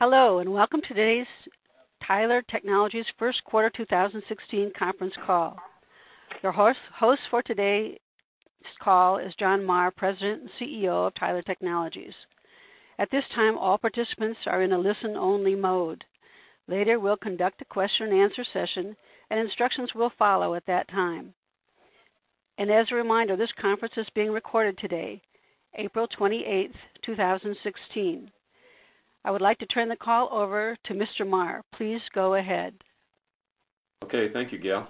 Hello, welcome to today's Tyler Technologies first quarter 2016 conference call. Your host for today's call is John Marr, President and CEO of Tyler Technologies. At this time, all participants are in a listen-only mode. Later, we'll conduct a question and answer session, and instructions will follow at that time. As a reminder, this conference is being recorded today, April 28th, 2016. I would like to turn the call over to Mr. Marr. Please go ahead. Okay. Thank you, Gail,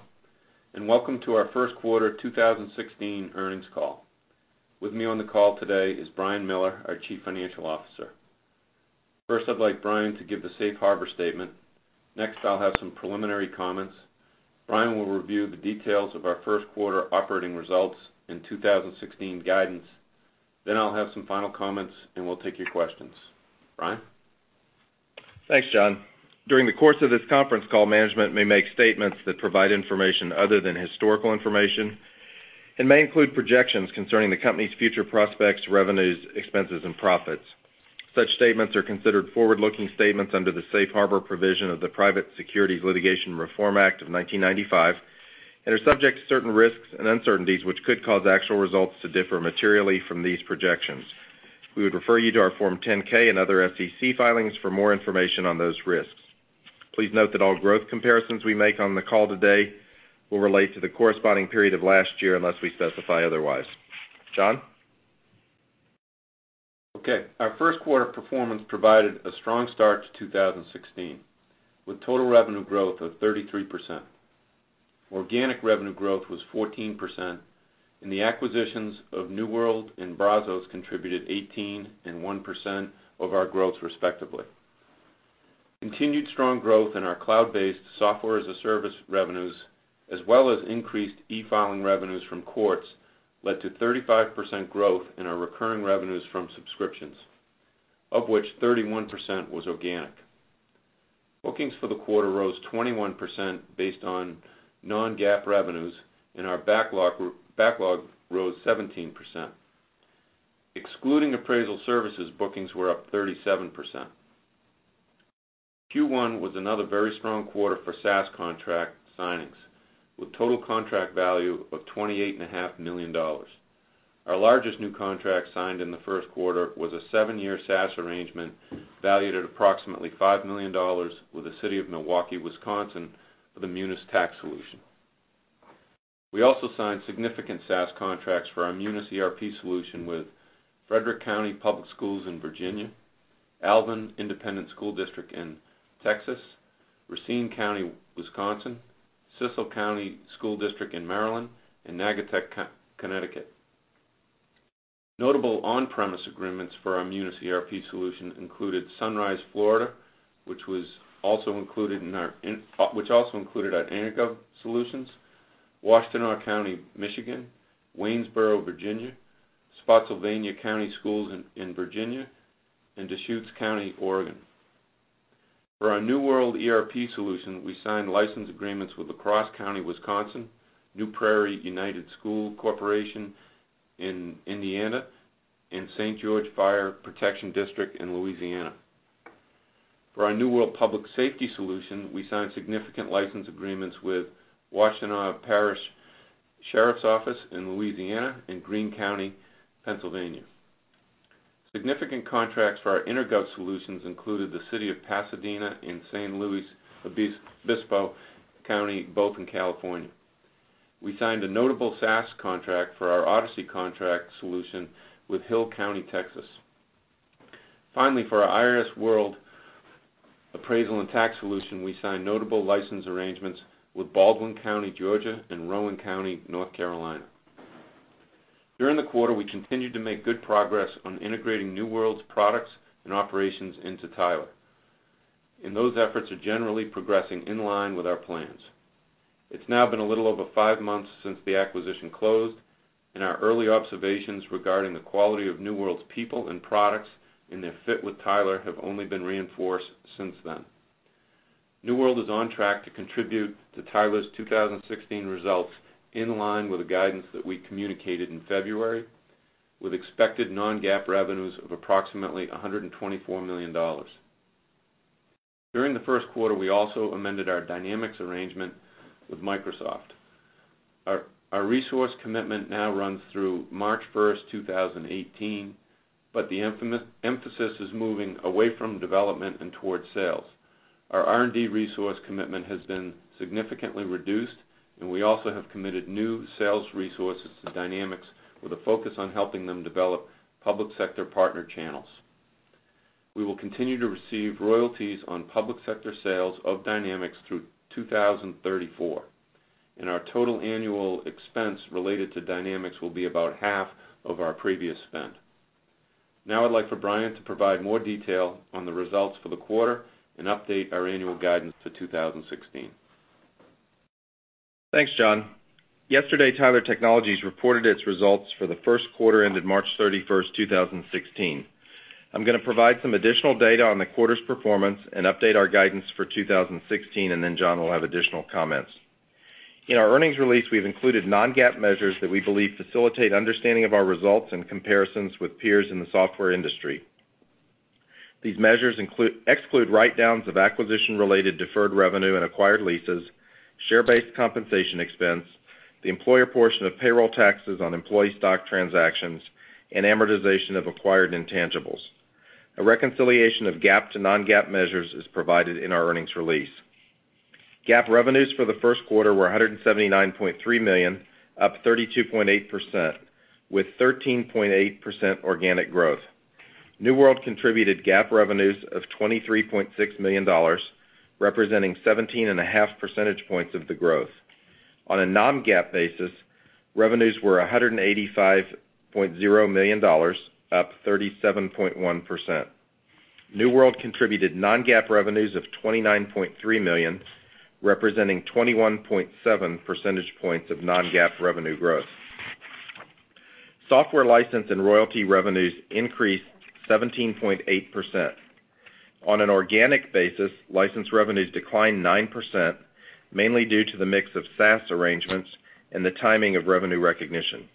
and welcome to our first quarter 2016 earnings call. With me on the call today is Brian Miller, our Chief Financial Officer. First, I'd like Brian to give the safe harbor statement. Next, I'll have some preliminary comments. Brian will review the details of our first quarter operating results and 2016 guidance. I'll have some final comments, and we'll take your questions. Brian? Thanks, John. During the course of this conference call, management may make statements that provide information other than historical information and may include projections concerning the company's future prospects, revenues, expenses, and profits. Such statements are considered forward-looking statements under the safe harbor provision of the Private Securities Litigation Reform Act of 1995 and are subject to certain risks and uncertainties, which could cause actual results to differ materially from these projections. We would refer you to our Form 10-K and other SEC filings for more information on those risks. Please note that all growth comparisons we make on the call today will relate to the corresponding period of last year, unless we specify otherwise. John? Okay. Our first quarter performance provided a strong start to 2016, with total revenue growth of 33%. Organic revenue growth was 14%, and the acquisitions of New World and Brazos contributed 18% and 1% of our growth, respectively. Continued strong growth in our cloud-based SaaS revenues, as well as increased eFile revenues from courts, led to 35% growth in our recurring revenues from subscriptions, of which 31% was organic. Bookings for the quarter rose 21% based on non-GAAP revenues, and our backlog rose 17%. Excluding appraisal services, bookings were up 37%. Q1 was another very strong quarter for SaaS contract signings, with total contract value of $28.5 million. Our largest new contract signed in the first quarter was a 7-year SaaS arrangement valued at approximately $5 million with the City of Milwaukee, Wisconsin, for the Munis Tax solution. We also signed significant SaaS contracts for our Munis ERP solution with Frederick County Public Schools in Virginia, Alvin Independent School District in Texas, Racine County, Wisconsin, Cecil County Public Schools in Maryland, and Naugatuck, Connecticut. Notable on-premise agreements for our Munis ERP solution included Sunrise, Florida, which also included our EnerGov solutions, Washtenaw County, Michigan, Waynesboro, Virginia, Spotsylvania County Public Schools in Virginia, and Deschutes County, Oregon. For our New World ERP solution, we signed license agreements with La Crosse County, Wisconsin, New Prairie United School Corporation in Indiana, and St. George Fire Protection District in Louisiana. For our New World Public Safety solution, we signed significant license agreements with Ouachita Parish Sheriff's Office in Louisiana and Greene County, Pennsylvania. Significant contracts for our EnerGov solutions included the City of Pasadena and San Luis Obispo County, both in California. We signed a notable SaaS contract for our Odyssey solution with Hill County, Texas. Finally, for our iasWorld Appraisal and Tax solution, we signed notable license arrangements with Baldwin County, Georgia, and Rowan County, North Carolina. During the quarter, we continued to make good progress on integrating New World's products and operations into Tyler, and those efforts are generally progressing in line with our plans. It's now been a little over five months since the acquisition closed, and our early observations regarding the quality of New World's people and products and their fit with Tyler have only been reinforced since then. New World is on track to contribute to Tyler's 2016 results in line with the guidance that we communicated in February, with expected non-GAAP revenues of approximately $124 million. During the first quarter, we also amended our Dynamics arrangement with Microsoft. Our resource commitment now runs through March 1st, 2018, but the emphasis is moving away from development and towards sales. Our R&D resource commitment has been significantly reduced, and we also have committed new sales resources to Dynamics with a focus on helping them develop public sector partner channels. We will continue to receive royalties on public sector sales of Dynamics through 2034, and our total annual expense related to Dynamics will be about half of our previous spend. I'd like for Brian to provide more detail on the results for the quarter and update our annual guidance for 2016. Thanks, John. Yesterday, Tyler Technologies reported its results for the first quarter ended March 31st, 2016. I'm going to provide some additional data on the quarter's performance and update our guidance for 2016, and then John will have additional comments. In our earnings release, we've included non-GAAP measures that we believe facilitate understanding of our results and comparisons with peers in the software industry. These measures exclude write-downs of acquisition-related deferred revenue and acquired leases, share-based compensation expense, the employer portion of payroll taxes on employee stock transactions, and amortization of acquired intangibles. A reconciliation of GAAP to non-GAAP measures is provided in our earnings release. GAAP revenues for the first quarter were $179.3 million, up 32.8%, with 13.8% organic growth. New World contributed GAAP revenues of $23.6 million, representing 17.5 percentage points of the growth. On a non-GAAP basis, revenues were $185.0 million, up 37.1%. New World contributed non-GAAP revenues of $29.3 million, representing 21.7 percentage points of non-GAAP revenue growth. Software license and royalty revenues increased 17.8%. On an organic basis, license revenues declined 9%, mainly due to the mix of SaaS arrangements and the timing of revenue recognition.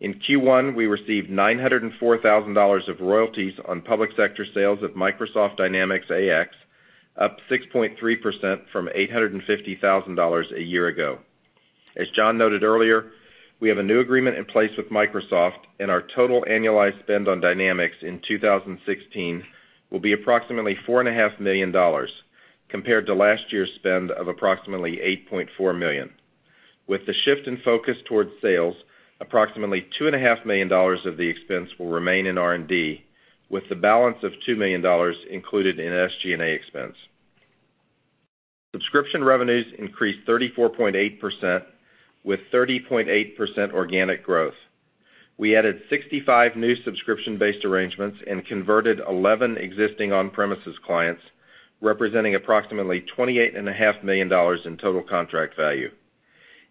In Q1, we received $904,000 of royalties on public sector sales of Microsoft Dynamics AX, up 6.3% from $850,000 a year ago. As John noted earlier, we have a new agreement in place with Microsoft, and our total annualized spend on Dynamics in 2016 will be approximately $4.5 million, compared to last year's spend of approximately $8.4 million. With the shift in focus towards sales, approximately $2.5 million of the expense will remain in R&D, with the balance of $2 million included in SG&A expense. Subscription revenues increased 34.8%, with 30.8% organic growth. We added 65 new subscription-based arrangements and converted 11 existing on-premises clients, representing approximately $28.5 million in total contract value.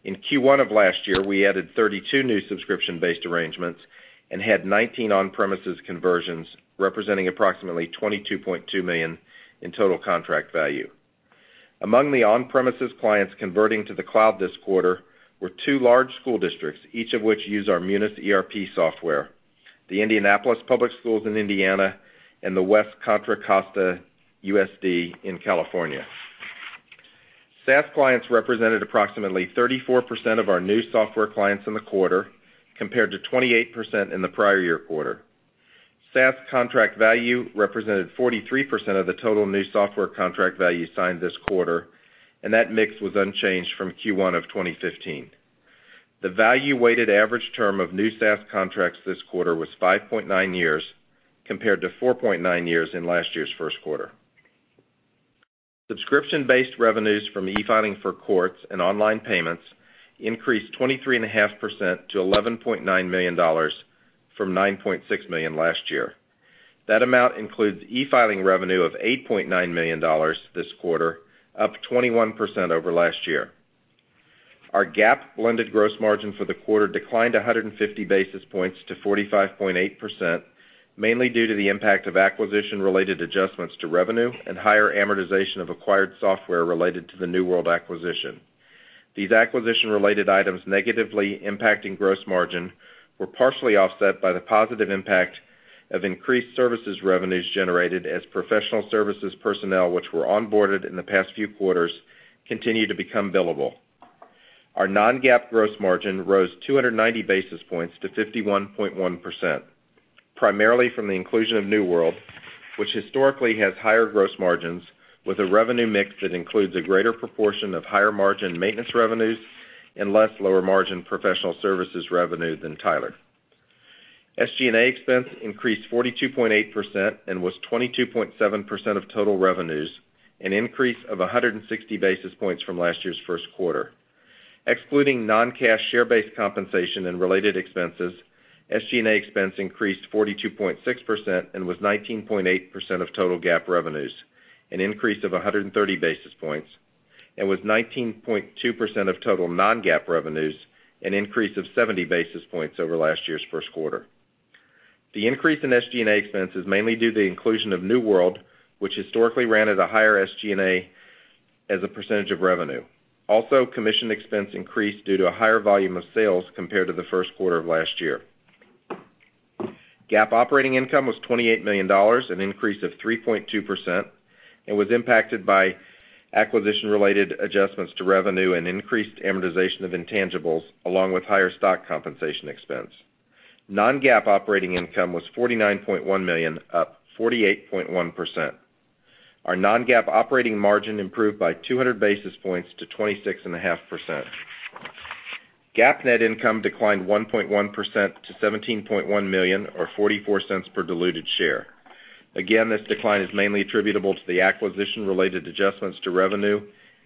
In Q1 of last year, we added 32 new subscription-based arrangements and had 19 on-premises conversions, representing approximately $22.2 million in total contract value. Among the on-premises clients converting to the cloud this quarter were two large school districts, each of which use our Munis ERP software, the Indianapolis Public Schools in Indiana, and the West Contra Costa USD in California. SaaS clients represented approximately 34% of our new software clients in the quarter, compared to 28% in the prior year quarter. SaaS contract value represented 43% of the total new software contract value signed this quarter, and that mix was unchanged from Q1 of 2015. The value-weighted average term of new SaaS contracts this quarter was 5.9 years, compared to 4.9 years in last year's first quarter. Subscription-based revenues from eFile for courts and online payments increased 23.5% to $11.9 million from $9.6 million last year. That amount includes eFile revenue of $8.9 million this quarter, up 21% over last year. Our GAAP blended gross margin for the quarter declined 150 basis points to 45.8%, mainly due to the impact of acquisition-related adjustments to revenue and higher amortization of acquired software related to the New World acquisition. These acquisition-related items negatively impacting gross margin were partially offset by the positive impact of increased services revenues generated as professional services personnel, which were onboarded in the past few quarters, continue to become billable. Our non-GAAP gross margin rose 290 basis points to 51.1%, primarily from the inclusion of New World, which historically has higher gross margins with a revenue mix that includes a greater proportion of higher-margin maintenance revenues and less lower-margin professional services revenue than Tyler. SG&A expense increased 42.8% and was 22.7% of total revenues, an increase of 160 basis points from last year's first quarter. Excluding non-cash share-based compensation and related expenses, SG&A expense increased 42.6% and was 19.8% of total GAAP revenues, an increase of 130 basis points, and was 19.2% of total non-GAAP revenues, an increase of 70 basis points over last year's first quarter. The increase in SG&A expense is mainly due to the inclusion of New World, which historically ran at a higher SG&A as a percentage of revenue. Commission expense increased due to a higher volume of sales compared to the first quarter of last year. GAAP operating income was $28 million, an increase of 3.2%, and was impacted by acquisition-related adjustments to revenue and increased amortization of intangibles, along with higher stock compensation expense. Non-GAAP operating income was $49.1 million, up 48.1%. Our non-GAAP operating margin improved by 200 basis points to 26.5%. GAAP net income declined 1.1% to $17.1 million or $0.44 per diluted share. This decline is mainly attributable to the acquisition-related adjustments to revenue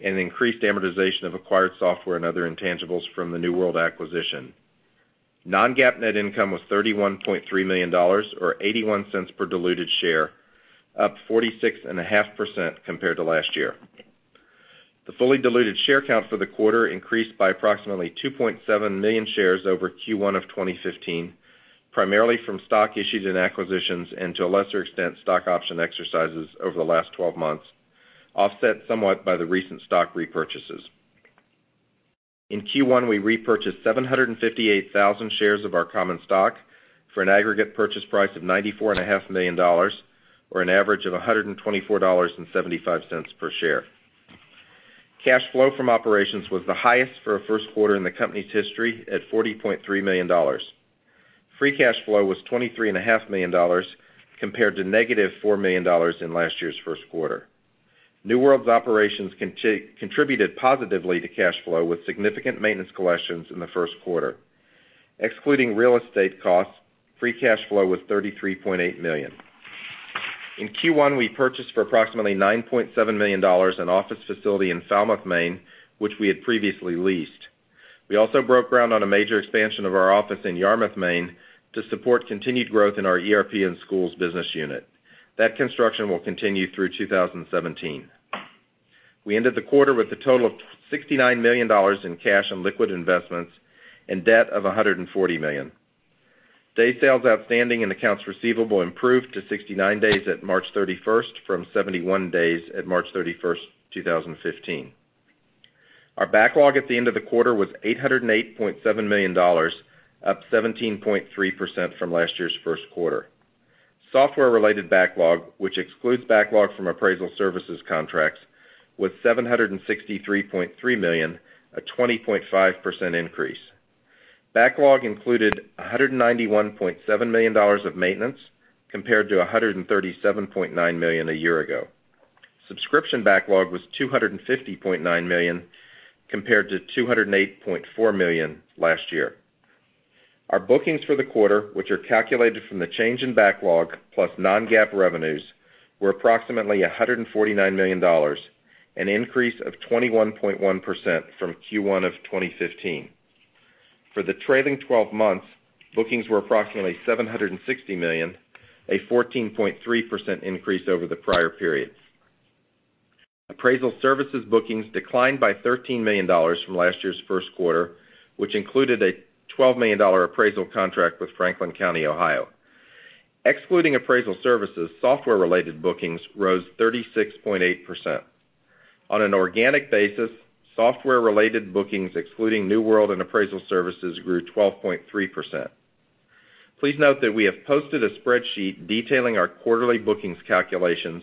and increased amortization of acquired software and other intangibles from the New World acquisition. Non-GAAP net income was $31.3 million or $0.81 per diluted share, up 46.5% compared to last year. The fully diluted share count for the quarter increased by approximately 2.7 million shares over Q1 of 2015, primarily from stock issues and acquisitions, and to a lesser extent, stock option exercises over the last 12 months, offset somewhat by the recent stock repurchases. In Q1, we repurchased 758,000 shares of our common stock for an aggregate purchase price of $94.5 million, or an average of $124.75 per share. Cash flow from operations was the highest for a first quarter in the company's history at $40.3 million. Free cash flow was $23.5 million compared to negative $4 million in last year's first quarter. New World's operations contributed positively to cash flow with significant maintenance collections in the first quarter. Excluding real estate costs, free cash flow was $33.8 million. In Q1, we purchased for approximately $9.7 million an office facility in Falmouth, Maine, which we had previously leased. We also broke ground on a major expansion of our office in Yarmouth, Maine, to support continued growth in our ERP and schools business unit. That construction will continue through 2017. We ended the quarter with a total of $69 million in cash and liquid investments, and debt of $140 million. Day sales outstanding and accounts receivable improved to 69 days at March 31st from 71 days at March 31st, 2015. Our backlog at the end of the quarter was $808.7 million, up 17.3% from last year's first quarter. Software-related backlog, which excludes backlog from appraisal services contracts, was $763.3 million, a 20.5% increase. Backlog included $191.7 million of maintenance, compared to $137.9 million a year ago. Subscription backlog was $250.9 million, compared to $208.4 million last year. Our bookings for the quarter, which are calculated from the change in backlog plus non-GAAP revenues, were approximately $149 million, an increase of 21.1% from Q1 of 2015. For the trailing 12 months, bookings were approximately $760 million, a 14.3% increase over the prior periods. Appraisal services bookings declined by $13 million from last year's first quarter, which included a $12 million appraisal contract with Franklin County, Ohio. Excluding appraisal services, software-related bookings rose 36.8%. On an organic basis, software-related bookings excluding New World and appraisal services grew 12.3%. Please note that we have posted a spreadsheet detailing our quarterly bookings calculations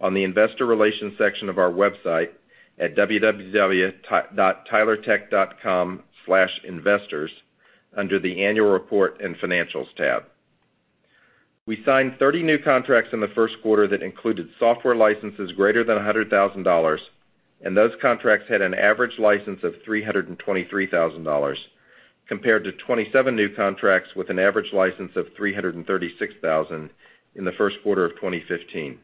on the investor relations section of our website at www.tylertech.com/investors under the Annual Report and Financials tab. We signed 30 new contracts in the first quarter that included software licenses greater than $100,000, and those contracts had an average license of $323,000, compared to 27 new contracts with an average license of $336,000 in the first quarter of 2015.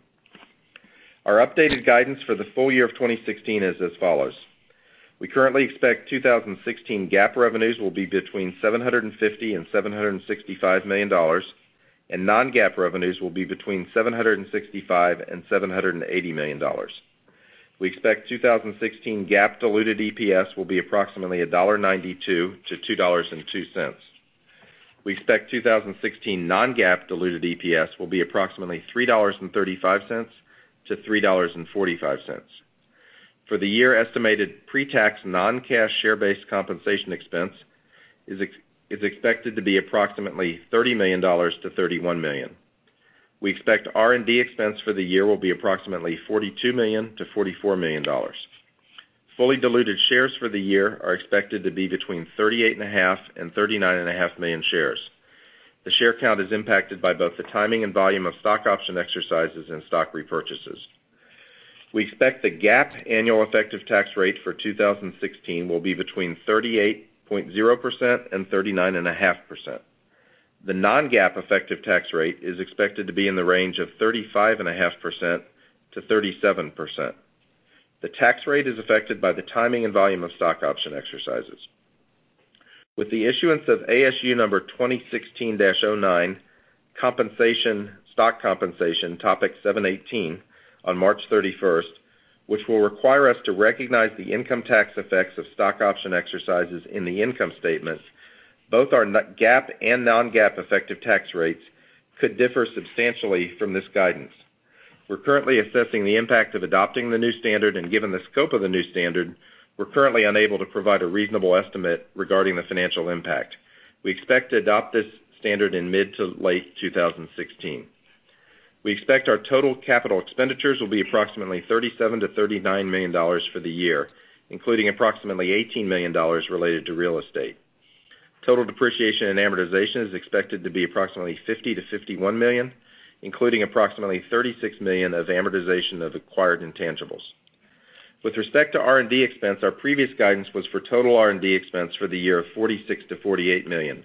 Our updated guidance for the full year of 2016 is as follows. We currently expect 2016 GAAP revenues will be between $750 million-$765 million, and non-GAAP revenues will be between $765 million-$780 million. We expect 2016 GAAP diluted EPS will be approximately $1.92-$2.02. We expect 2016 non-GAAP diluted EPS will be approximately $3.35-$3.45. For the year estimated pre-tax non-cash share-based compensation expense is expected to be approximately $30 million-$31 million. We expect R&D expense for the year will be approximately $42 million-$44 million. Fully diluted shares for the year are expected to be between 38.5 million and 39.5 million shares. The share count is impacted by both the timing and volume of stock option exercises and stock repurchases. We expect the GAAP annual effective tax rate for 2016 will be between 38.0% and 39.5%. The non-GAAP effective tax rate is expected to be in the range of 35.5%-37%. The tax rate is affected by the timing and volume of stock option exercises. With the issuance of ASU number 2016-09, compensation, stock compensation, Topic 718, on March 31st, which will require us to recognize the income tax effects of stock option exercises in the income statements, both our GAAP and non-GAAP effective tax rates could differ substantially from this guidance. We're currently assessing the impact of adopting the new standard. Given the scope of the new standard, we're currently unable to provide a reasonable estimate regarding the financial impact. We expect to adopt this standard in mid to late 2016. We expect our total capital expenditures will be approximately $37 million-$39 million for the year, including approximately $18 million related to real estate. Total depreciation and amortization is expected to be approximately $50 million-$51 million, including approximately $36 million of amortization of acquired intangibles. With respect to R&D expense, our previous guidance was for total R&D expense for the year of $46 million-$48 million.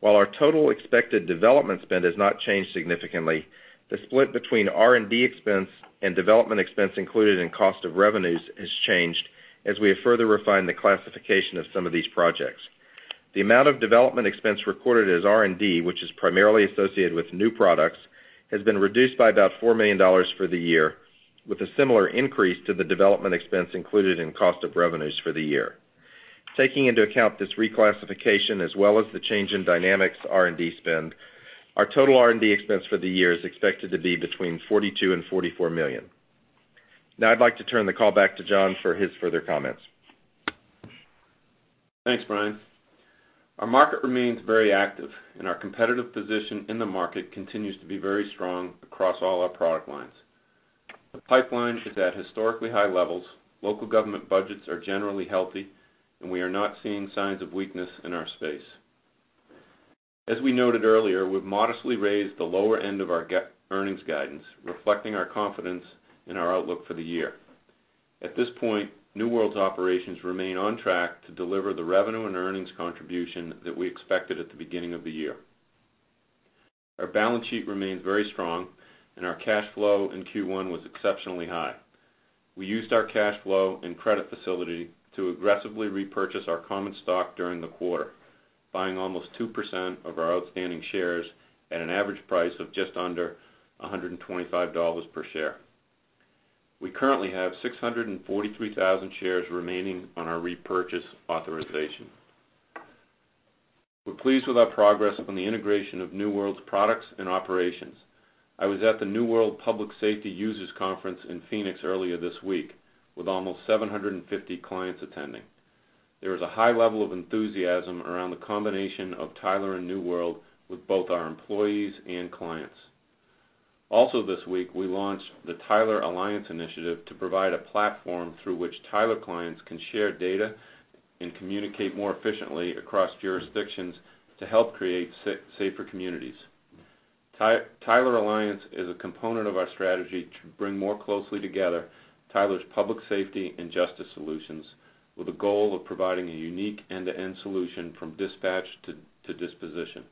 While our total expected development spend has not changed significantly, the split between R&D expense and development expense included in cost of revenues has changed as we have further refined the classification of some of these projects. The amount of development expense recorded as R&D, which is primarily associated with new products, has been reduced by about $4 million for the year with a similar increase to the development expense included in cost of revenues for the year. Taking into account this reclassification as well as the change in Dynamics R&D spend, our total R&D expense for the year is expected to be between $42 million and $44 million. I'd like to turn the call back to John for his further comments. Thanks, Brian. Our market remains very active. Our competitive position in the market continues to be very strong across all our product lines. The pipeline is at historically high levels. Local government budgets are generally healthy. We are not seeing signs of weakness in our space. As we noted earlier, we've modestly raised the lower end of our earnings guidance, reflecting our confidence in our outlook for the year. At this point, New World's operations remain on track to deliver the revenue and earnings contribution that we expected at the beginning of the year. Our balance sheet remains very strong. Our cash flow in Q1 was exceptionally high. We used our cash flow and credit facility to aggressively repurchase our common stock during the quarter, buying almost 2% of our outstanding shares at an average price of just under $125 per share. We currently have 643,000 shares remaining on our repurchase authorization. We're pleased with our progress on the integration of New World's products and operations. I was at the New World Public Safety Users Conference in Phoenix earlier this week, with almost 750 clients attending. There was a high level of enthusiasm around the combination of Tyler and New World with both our employees and clients. This week, we launched the Tyler Alliance Initiative to provide a platform through which Tyler clients can share data and communicate more efficiently across jurisdictions to help create safer communities. Tyler Alliance is a component of our strategy to bring more closely together Tyler's public safety and justice solutions with the goal of providing a unique end-to-end solution from dispatch to disposition.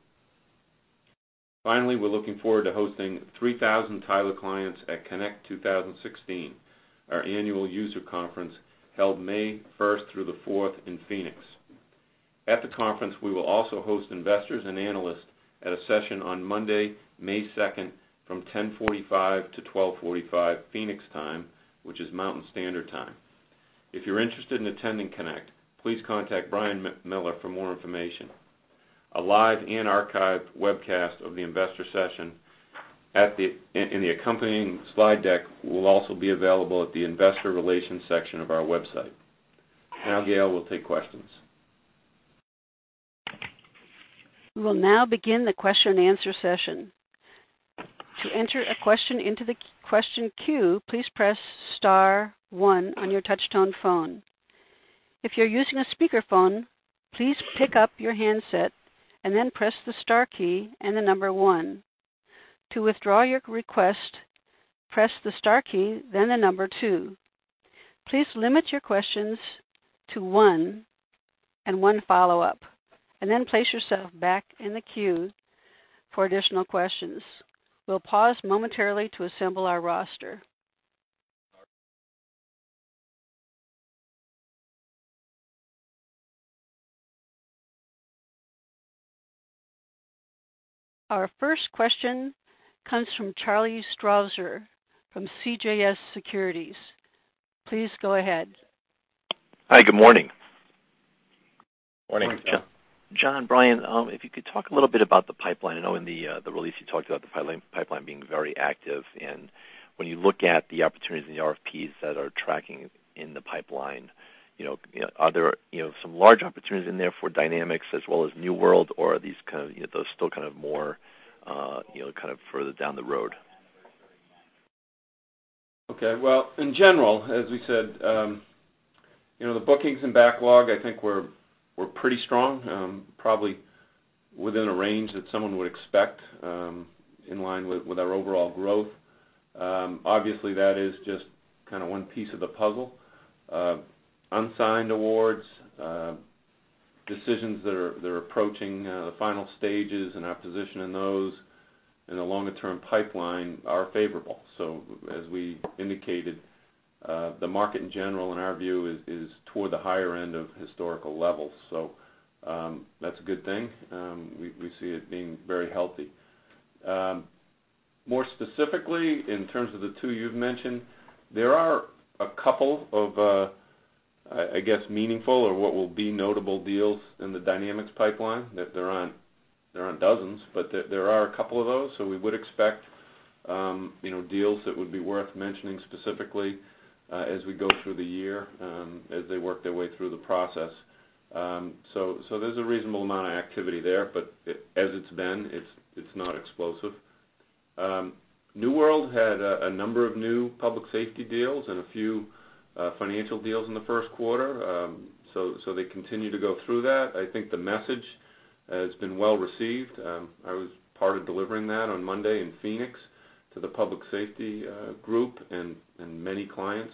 Finally, we're looking forward to hosting 3,000 Tyler clients at Connect 2016, our annual user conference held May 1st through the 4th in Phoenix. At the conference, we will also host investors and analysts at a session on Monday, May 2nd from 10:45 A.M. to 12:45 P.M. Phoenix time, which is Mountain Standard Time. If you're interested in attending Connect, please contact Brian Miller for more information. A live and archived webcast of the investor session and the accompanying slide deck will also be available at the investor relations section of our website. Gail will take questions. We will now begin the question and answer session. To enter a question into the question queue, please press *1 on your touchtone phone. If you're using a speakerphone, please pick up your handset and then press the star key and the number 1. To withdraw your request, press the star key, then the number 2. Please limit your questions to one and one follow-up, and then place yourself back in the queue for additional questions. We'll pause momentarily to assemble our roster. Our first question comes from Charlie Strauzer from CJS Securities. Please go ahead. Hi, good morning. Morning. Morning. John, Brian, if you could talk a little bit about the pipeline. I know in the release you talked about the pipeline being very active and when you look at the opportunities and the RFPs that are tracking in the pipeline, are there some large opportunities in there for Dynamics as well as New World, or are those still more further down the road? Okay. Well, in general, as we said, the bookings and backlog, I think we're pretty strong, probably within a range that someone would expect, in line with our overall growth. Obviously, that is just one piece of the puzzle. Unsigned awards, decisions that are approaching the final stages and our position in those in the longer-term pipeline are favorable. As we indicated, the market in general, in our view, is toward the higher end of historical levels. That's a good thing. We see it being very healthy. More specifically, in terms of the two you've mentioned, there are a couple of, I guess, meaningful or what will be notable deals in the Dynamics pipeline. There aren't dozens, but there are a couple of those. We would expect deals that would be worth mentioning specifically as we go through the year, as they work their way through the process. There's a reasonable amount of activity there, but as it's been, it's not explosive. New World had a number of new Public Safety deals and a few financial deals in the first quarter. They continue to go through that. I think the message has been well received. I was part of delivering that on Monday in Phoenix to the Public Safety group, and many clients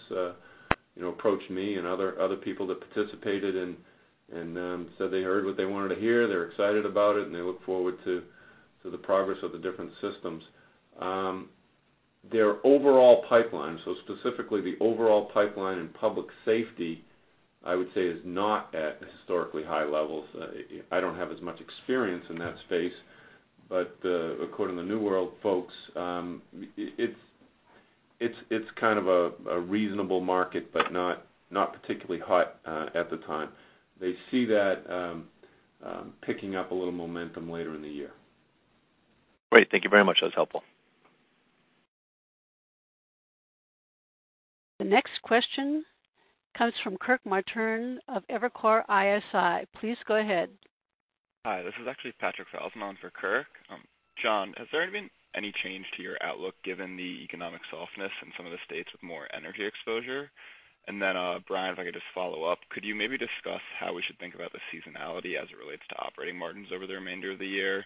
approached me and other people that participated and said they heard what they wanted to hear, they're excited about it, and they look forward to the progress of the different systems. Their overall pipeline, specifically the overall pipeline in Public Safety I would say is not at historically high levels. I don't have as much experience in that space, but according to the New World folks, it's kind of a reasonable market, but not particularly hot at the time. They see that picking up a little momentum later in the year. Great. Thank you very much. That was helpful. The next question comes from Kirk Materne of Evercore ISI. Please go ahead. Hi, this is actually Patrick Walravens for Kirk. John, has there been any change to your outlook given the economic softness in some of the states with more energy exposure? Brian, if I could just follow up, could you maybe discuss how we should think about the seasonality as it relates to operating margins over the remainder of the year?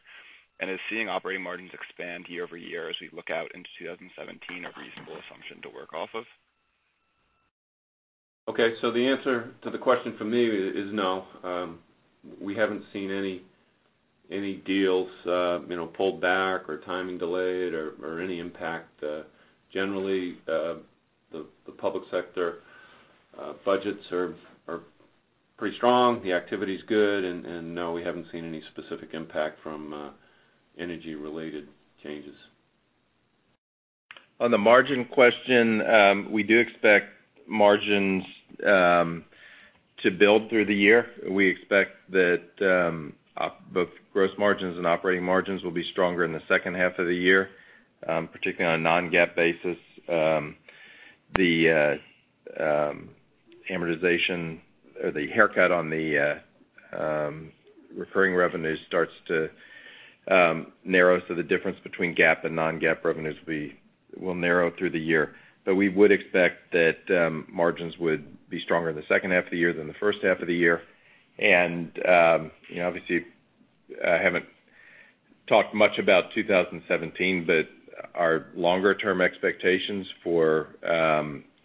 Is seeing operating margins expand year-over-year as we look out into 2017 a reasonable assumption to work off of? Okay. The answer to the question from me is no. We haven't seen any deals pulled back or timing delayed or any impact. Generally, the public sector budgets are pretty strong. The activity's good, no, we haven't seen any specific impact from energy-related changes. On the margin question, we do expect margins to build through the year. We expect that both gross margins and operating margins will be stronger in the second half of the year, particularly on a non-GAAP basis. The amortization or the haircut on the recurring revenue starts to narrow, so the difference between GAAP and non-GAAP revenues will narrow through the year. We would expect that margins would be stronger in the second half of the year than the first half of the year. Obviously, I haven't talked much about 2017, but our longer-term expectations for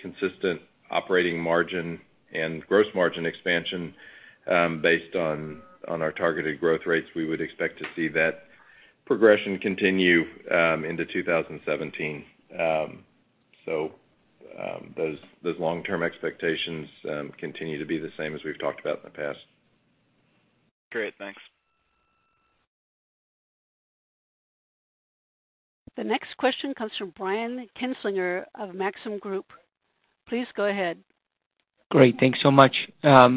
consistent operating margin and gross margin expansion, based on our targeted growth rates, we would expect to see that progression continue into 2017. Those long-term expectations continue to be the same as we've talked about in the past. Great. Thanks. The next question comes from Brian Kinstlinger of Maxim Group. Please go ahead. Great. Thanks so much. I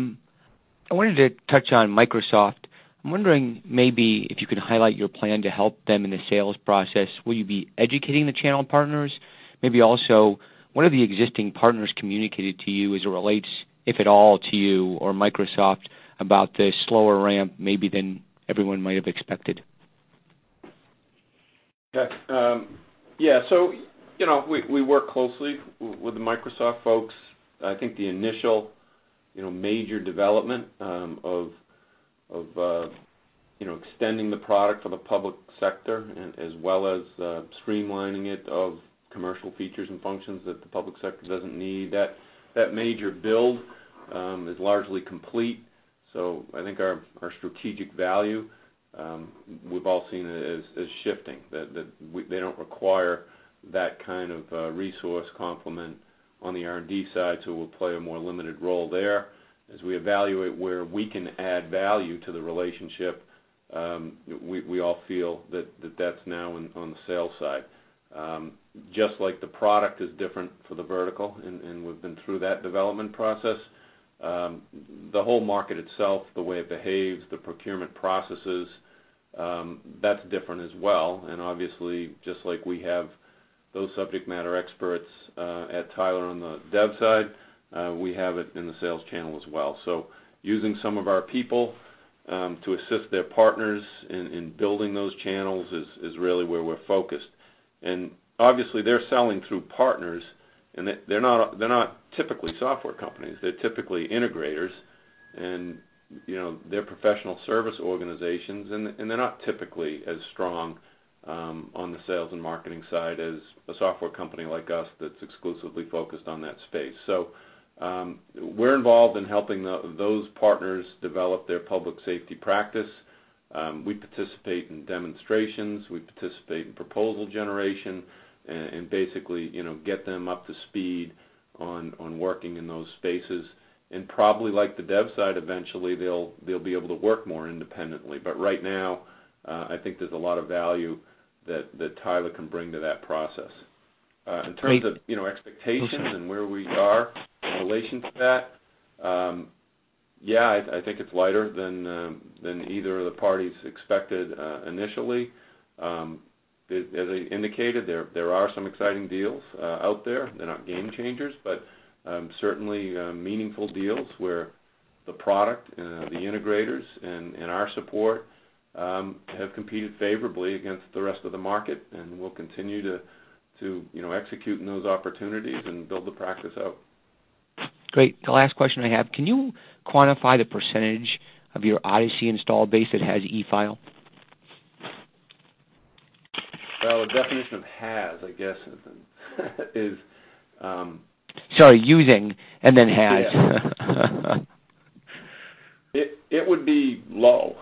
wanted to touch on Microsoft. I'm wondering maybe if you could highlight your plan to help them in the sales process. Will you be educating the channel partners? Maybe also, what are the existing partners communicated to you as it relates, if at all, to you or Microsoft about the slower ramp maybe than everyone might have expected? We work closely with the Microsoft folks. I think the initial major development of extending the product for the public sector as well as streamlining it of commercial features and functions that the public sector doesn't need. That major build is largely complete. I think our strategic value, we've all seen it as shifting. They don't require that kind of resource complement on the R&D side, we'll play a more limited role there. As we evaluate where we can add value to the relationship, we all feel that that's now on the sales side. The product is different for the vertical, and we've been through that development process, the whole market itself, the way it behaves, the procurement processes, that's different as well. We have those subject matter experts at Tyler on the dev side, we have it in the sales channel as well. Using some of our people to assist their partners in building those channels is really where we're focused. They're selling through partners, they're not typically software companies. They're typically integrators, they're professional service organizations, they're not typically as strong on the sales and marketing side as a software company like us that's exclusively focused on that space. We're involved in helping those partners develop their public safety practice. We participate in demonstrations, we participate in proposal generation, and basically get them up to speed on working in those spaces. Like the dev side, eventually they'll be able to work more independently. Right now, I think there's a lot of value that Tyler can bring to that process. Great. In terms of expectations and where we are in relation to that, I think it's lighter than either of the parties expected initially. As I indicated, there are some exciting deals out there. They're not game changers, certainly meaningful deals where the product and the integrators and our support have competed favorably against the rest of the market, we'll continue to execute on those opportunities and build the practice out. Great. The last question I have, can you quantify the % of your Odyssey install base that has eFile? Well, the definition of has, I guess, is. Sorry, using and then has. It would be low.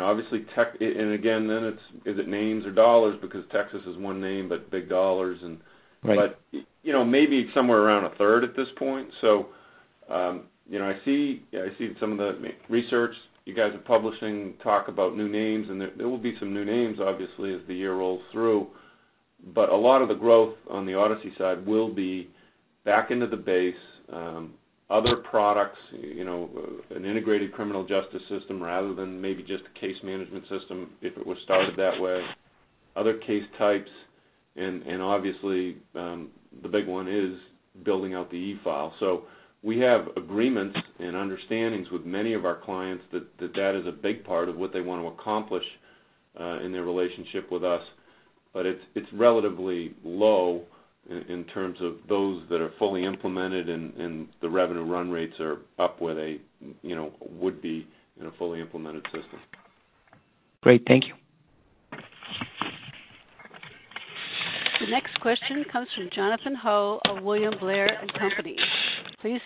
Obviously, tech, and again, then it's, is it names or dollars? Because Texas is one name, but big dollars. Right Maybe somewhere around a third at this point. I see some of the research you guys are publishing, talk about new names, and there will be some new names, obviously, as the year rolls through. A lot of the growth on the Odyssey side will be back into the base, other products, an integrated criminal justice system rather than maybe just a case management system if it was started that way, other case types, and obviously, the big one is building out the eFile. We have agreements and understandings with many of our clients that that is a big part of what they want to accomplish, in their relationship with us. It's relatively low in terms of those that are fully implemented and the revenue run rates are up where they would be in a fully implemented system. Great. Thank you. The next question comes from Jonathan Ho of William Blair & Company. Please go ahead. Morning. I just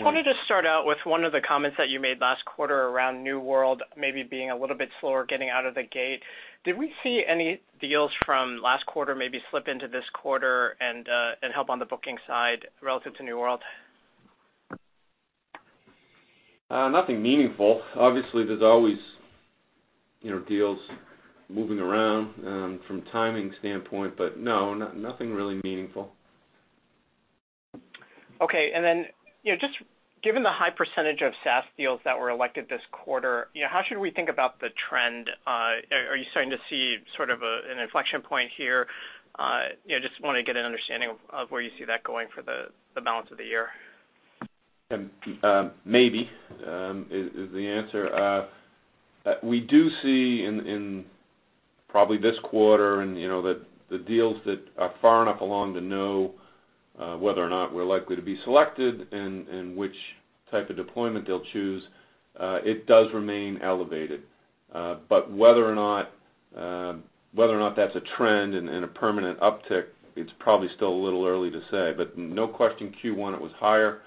wanted to start out with one of the comments that you made last quarter around New World, maybe being a little bit slower getting out of the gate. Did we see any deals from last quarter, maybe slip into this quarter and help on the booking side relative to New World? Nothing meaningful. Obviously, there's always deals moving around, from timing standpoint, but no, nothing really meaningful. Okay. Just given the high percentage of SaaS deals that were elected this quarter, how should we think about the trend? Are you starting to see sort of an inflection point here? Just want to get an understanding of where you see that going for the balance of the year. Maybe, is the answer. We do see, in probably this quarter and the deals that are far enough along to know whether or not we're likely to be selected and which type of deployment they'll choose, it does remain elevated. Whether or not that's a trend and a permanent uptick, it's probably still a little early to say. No question, Q1 it was higher,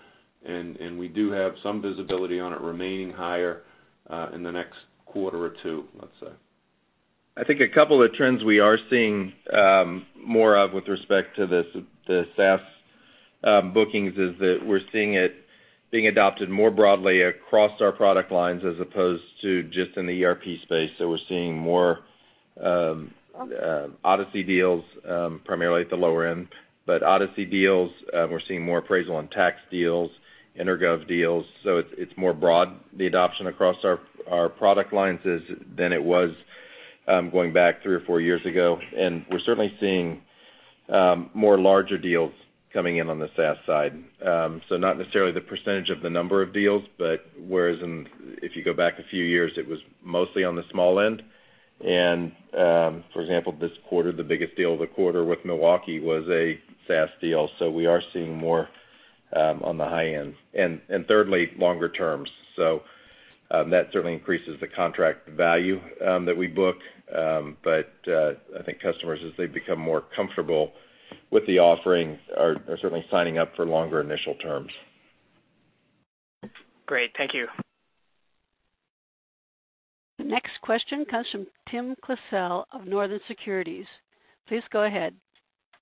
and we do have some visibility on it remaining higher, in the next quarter or two, let's say. I think a couple of trends we are seeing more of with respect to the SaaS bookings is that we're seeing it being adopted more broadly across our product lines as opposed to just in the ERP space. We're seeing more, Odyssey deals, primarily at the lower end. Odyssey deals, we're seeing more appraisal on tax deals, EnerGov deals. It's more broad, the adoption across our product lines than it was going back three or four years ago. We're certainly seeing more larger deals coming in on the SaaS side. Not necessarily the percentage of the number of deals, but whereas in, if you go back a few years, it was mostly on the small end, and, for example, this quarter, the biggest deal of the quarter with Milwaukee was a SaaS deal. We are seeing more on the high end. Thirdly, longer terms. That certainly increases the contract value that we book. I think customers, as they become more comfortable with the offerings, are certainly signing up for longer initial terms. Great. Thank you. The next question comes from Timothy Klasell of Northland Securities. Please go ahead.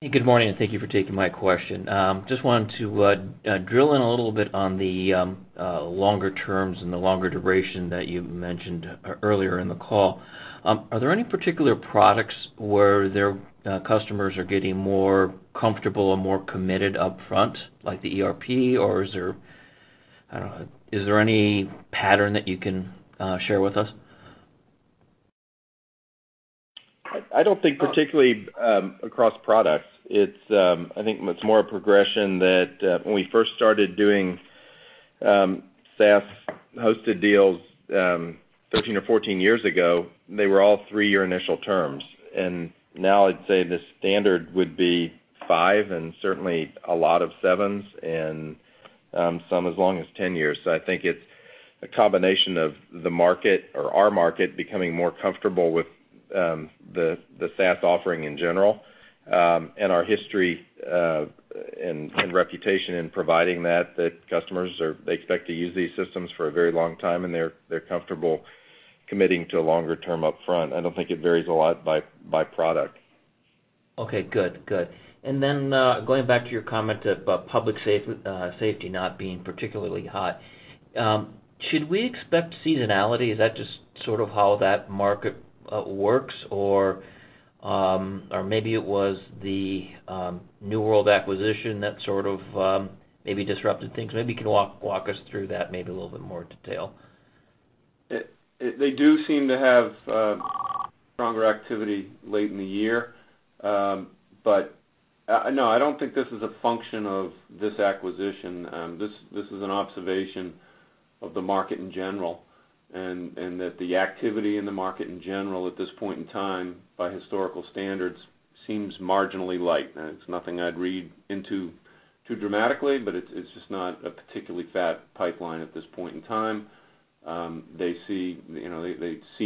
Good morning, thank you for taking my question. Just wanted to drill in a little bit on the longer terms and the longer duration that you mentioned earlier in the call. Are there any particular products where their customers are getting more comfortable or more committed upfront, like the ERP, or is there, I don't know, is there any pattern that you can share with us? I don't think particularly, across products. I think it's more a progression that, when we first started doing SaaS hosted deals, 13 or 14 years ago, they were all 3-year initial terms. Now I'd say the standard would be five and certainly a lot of sevens and some as long as 10 years. I think it's a combination of the market or our market becoming more comfortable with the SaaS offering in general, and our history and reputation in providing that customers expect to use these systems for a very long time, and they're comfortable committing to a longer term upfront. I don't think it varies a lot by product. Okay, good. Then, going back to your comment about public safety not being particularly hot. Should we expect seasonality? Is that just sort of how that market works? Or maybe it was the New World acquisition that sort of maybe disrupted things. Maybe you can walk us through that maybe in a little bit more detail. They do seem to have stronger activity late in the year. No, I don't think this is a function of this acquisition. This is an observation of the market in general, and that the activity in the market in general at this point in time, by historical standards, seems marginally light. It's nothing I'd read into too dramatically, it's just not a particularly fat pipeline at this point in time. They see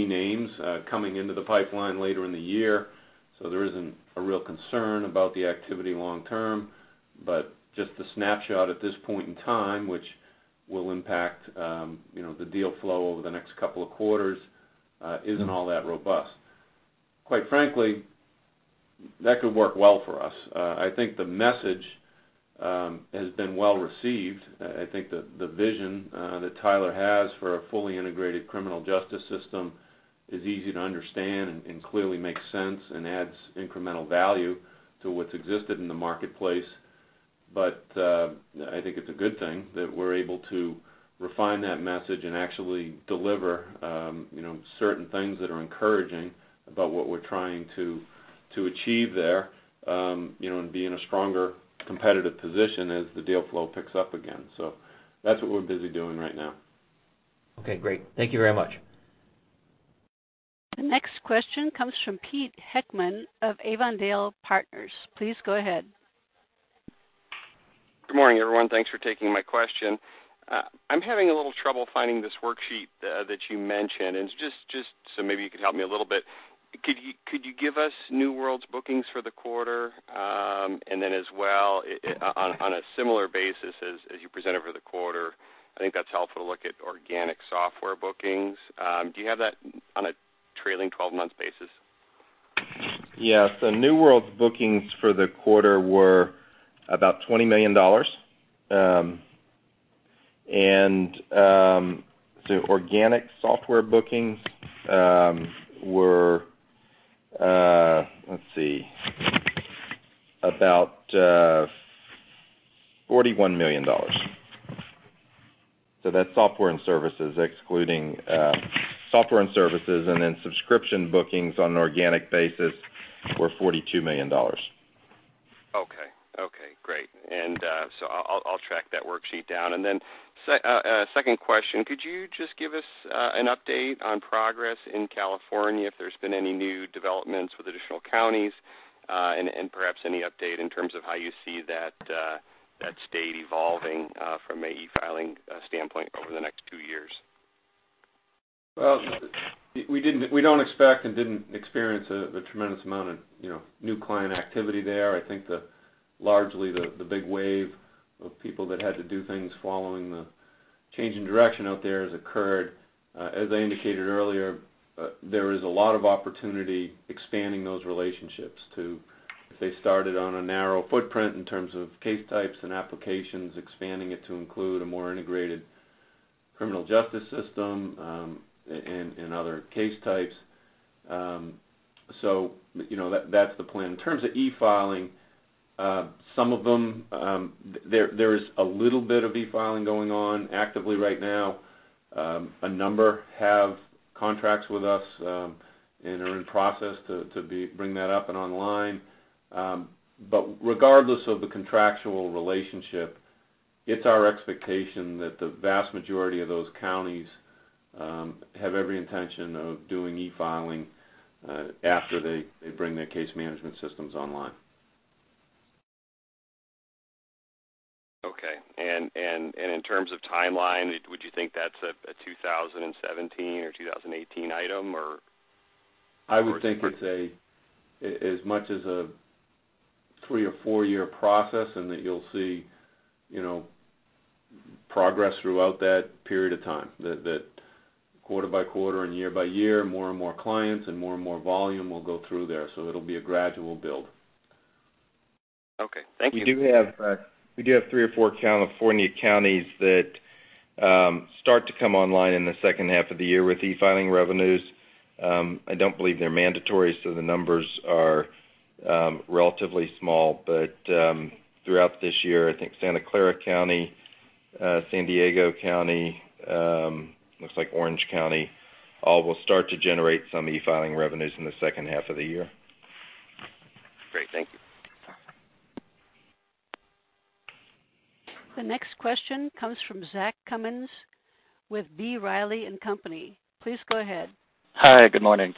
names coming into the pipeline later in the year, there isn't a real concern about the activity long term. Just the snapshot at this point in time, which will impact the deal flow over the next couple of quarters, isn't all that robust. Quite frankly, that could work well for us. I think the message has been well-received. I think the vision that Tyler has for a fully integrated criminal justice system is easy to understand and clearly makes sense and adds incremental value to what's existed in the marketplace. I think it's a good thing that we're able to refine that message and actually deliver certain things that are encouraging about what we're trying to achieve there, and be in a stronger competitive position as the deal flow picks up again. That's what we're busy doing right now. Okay, great. Thank you very much. The next question comes from Peter Heckmann of Avondale Partners. Please go ahead. Good morning, everyone. Thanks for taking my question. I'm having a little trouble finding this worksheet that you mentioned. Maybe you could help me a little bit. Could you give us New World's bookings for the quarter? As well, on a similar basis as you present it for the quarter, I think that's helpful to look at organic software bookings. Do you have that on a trailing 12-month basis? Yes. New World's bookings for the quarter were about $20 million. The organic software bookings were, let's see, about $41 million. That's software and services, software and services, Subscription bookings on an organic basis were $42 million. Okay. Okay, great. I'll track that worksheet down. Second question, could you just give us an update on progress in California, if there's been any new developments with additional counties, and perhaps any update in terms of how you see that state evolving from an e-filing standpoint over the next two years? Well, we don't expect and didn't experience a tremendous amount of new client activity there. I think largely the big wave of people that had to do things following the change in direction out there has occurred. As I indicated earlier, there is a lot of opportunity expanding those relationships to, as they started on a narrow footprint in terms of case types and applications, expanding it to include a more integrated criminal justice system, and other case types. That's the plan. In terms of e-filing, there is a little bit of e-filing going on actively right now. A number have contracts with us, and are in process to bring that up and online. Regardless of the contractual relationship, it's our expectation that the vast majority of those counties have every intention of doing e-filing after they bring their case management systems online. Okay. In terms of timeline, would you think that's a 2017 or 2018 item, or- I would think it's as much as a three or four-year process, and that you'll see progress throughout that period of time. That quarter by quarter and year by year, more and more clients and more and more volume will go through there. It'll be a gradual build. Okay. Thank you. We do have three or four California counties that start to come online in the second half of the year with e-filing revenues. I don't believe they're mandatory, so the numbers are relatively small. Throughout this year, I think Santa Clara County, San Diego County, looks like Orange County, all will start to generate some e-filing revenues in the second half of the year. Great. Thank you. The next question comes from Zachary Cummins with B. Riley & Co.. Please go ahead. Hi. Good morning.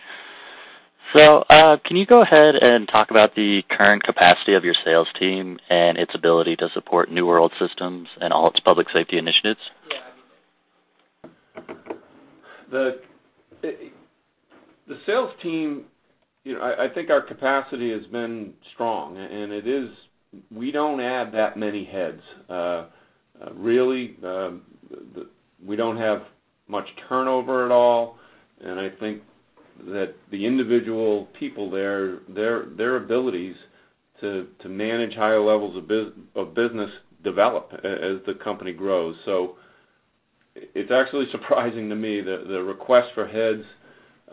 Can you go ahead and talk about the current capacity of your sales team and its ability to support New World systems and all its public safety initiatives? The sales team, I think our capacity has been strong. We don't add that many heads. Really, we don't have much turnover at all, and I think that the individual people there, their abilities to manage higher levels of business develop as the company grows. It's actually surprising to me that the request for heads is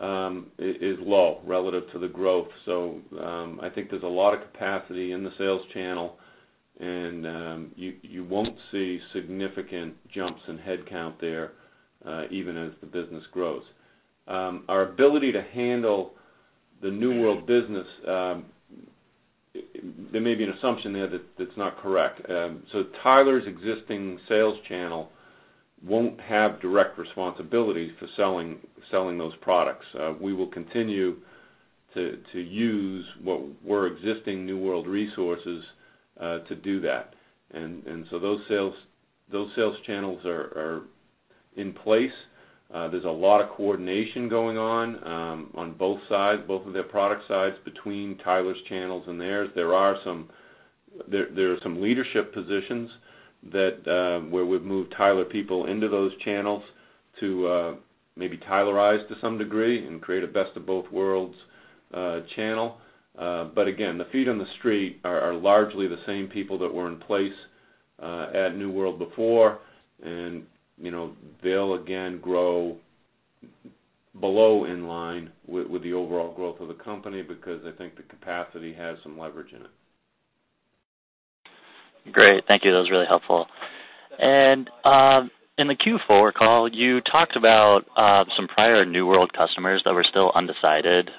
low relative to the growth. I think there's a lot of capacity in the sales channel, and you won't see significant jumps in headcount there even as the business grows. Our ability to handle the New World business, there may be an assumption there that's not correct. Tyler's existing sales channel won't have direct responsibility for selling those products. We will continue to use what were existing New World resources to do that. Those sales channels are in place. There's a lot of coordination going on both sides, both of their product sides, between Tyler's channels and theirs. There are some leadership positions where we've moved Tyler people into those channels to maybe Tylerize to some degree and create a best of both worlds channel. Again, the feet on the street are largely the same people that were in place at New World before. They'll again grow below in line with the overall growth of the company, because I think the capacity has some leverage in it. Great. Thank you. That was really helpful. In the Q4 call, you talked about some prior New World customers that were still undecided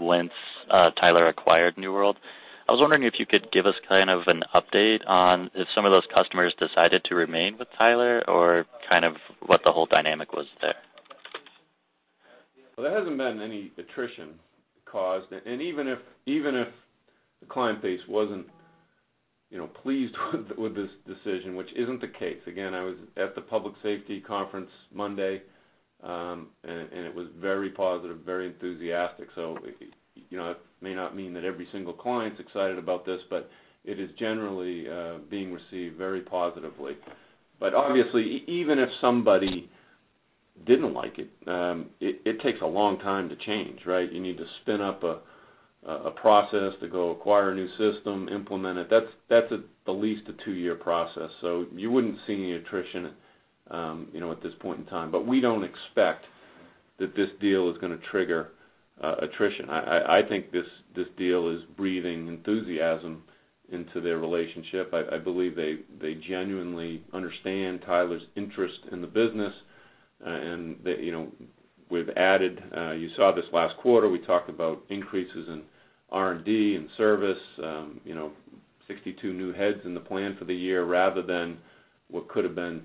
when Tyler acquired New World. I was wondering if you could give us kind of an update on if some of those customers decided to remain with Tyler or what the whole dynamic was there. There hasn't been any attrition caused. Even if the client base wasn't pleased with this decision, which isn't the case. I was at the public safety conference Monday, and it was very positive, very enthusiastic. It may not mean that every single client's excited about this, but it is generally being received very positively. Obviously, even if somebody didn't like it takes a long time to change, right? You need to spin up a process to go acquire a new system, implement it. That's at least a two-year process. You wouldn't see any attrition at this point in time. We don't expect that this deal is going to trigger attrition. I think this deal is breathing enthusiasm into their relationship. I believe they genuinely understand Tyler's interest in the business. We've added, you saw this last quarter, we talked about increases in R&D and service, 62 new heads in the plan for the year rather than what could've been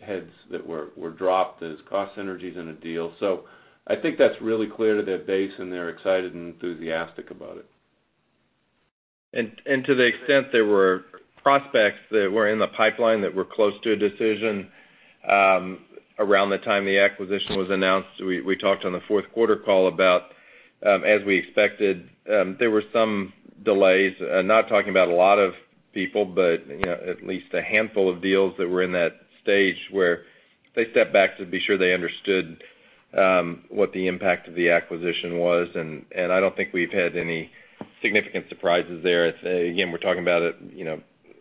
heads that were dropped as cost synergies in a deal. I think that's really clear to their base, and they're excited and enthusiastic about it. To the extent there were prospects that were in the pipeline that were close to a decision around the time the acquisition was announced, we talked on the fourth quarter call about, as we expected, there were some delays, not talking about a lot of people, but at least a handful of deals that were in that stage where they stepped back to be sure they understood what the impact of the acquisition was, and I don't think we've had any significant surprises there. Again, we're talking about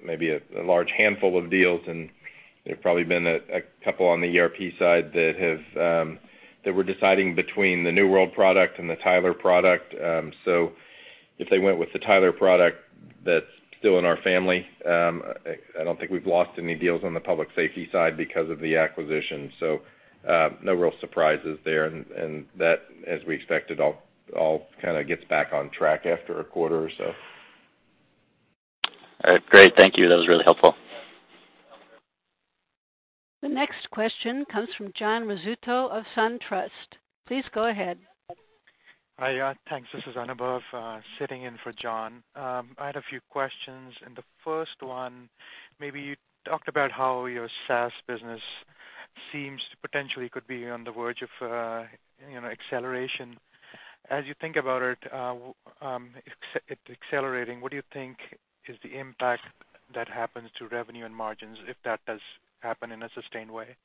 maybe a large handful of deals, and there've probably been a couple on the ERP side that were deciding between the New World product and the Tyler product. If they went with the Tyler product, that's still in our family. I don't think we've lost any deals on the public safety side because of the acquisition. No real surprises there, and that, as we expected, all kind of gets back on track after a quarter or so. All right, great. Thank you. That was really helpful. The next question comes from John Rizzuto of SunTrust. Please go ahead. Hi. Thanks. This is Anubhav sitting in for John. I had a few questions. The first one, maybe you talked about how your SaaS business seems to potentially could be on the verge of acceleration. As you think about it accelerating, what do you think is the impact that happens to revenue and margins if that does happen in a sustained way?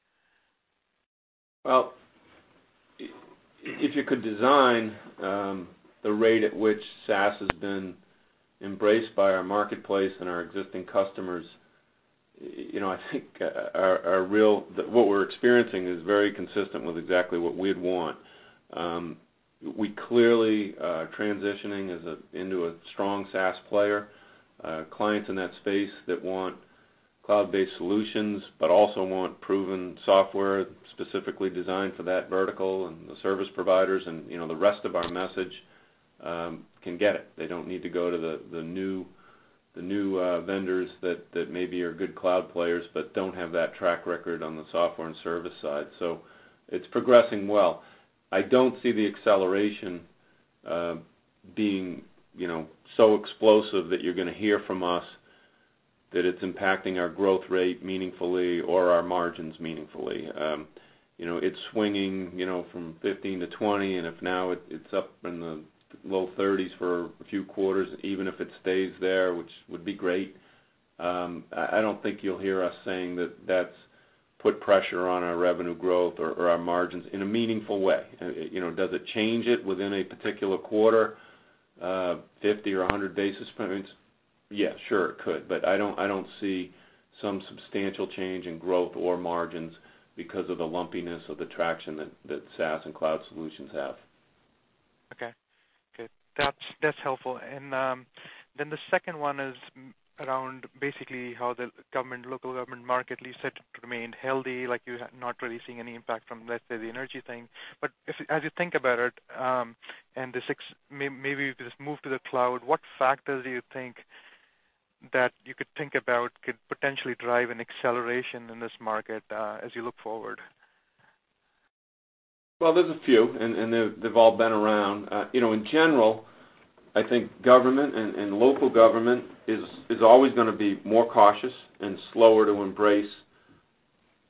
Well, if you could design the rate at which SaaS has been embraced by our marketplace and our existing customers, I think what we're experiencing is very consistent with exactly what we'd want. We clearly are transitioning into a strong SaaS player. Clients in that space that want cloud-based solutions, but also want proven software specifically designed for that vertical and the service providers and the rest of our message, can get it. They don't need to go to the new vendors that maybe are good cloud players, but don't have that track record on the software and service side. It's progressing well. I don't see the acceleration being so explosive that you're going to hear from us that it's impacting our growth rate meaningfully or our margins meaningfully. It's swinging from 15 to 20, if now it's up in the low 30s for a few quarters, even if it stays there, which would be great, I don't think you'll hear us saying that's put pressure on our revenue growth or our margins in a meaningful way. Does it change it within a particular quarter, 50 or 100 basis points? Yeah, sure, it could. I don't see some substantial change in growth or margins because of the lumpiness of the traction that SaaS and cloud solutions have. Okay. That's helpful. The second one is around basically how the local government market, you said, remained healthy, like you're not really seeing any impact from, let's say, the energy thing. As you think about it, and maybe this move to the cloud, what factors do you think that you could think about could potentially drive an acceleration in this market as you look forward? Well, there's a few, they've all been around. In general, I think government and local government is always going to be more cautious and slower to embrace